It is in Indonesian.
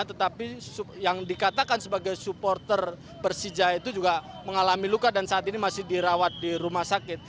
tetapi yang dikatakan sebagai supporter persija itu juga mengalami luka dan saat ini masih dirawat di rumah sakit